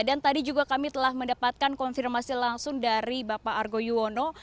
dan tadi juga kami telah mendapatkan konfirmasi langsung dari bapak argo yuwono